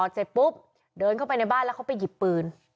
เสร็จปุ๊บเดินเข้าไปในบ้านแล้วเขาไปหยิบปืน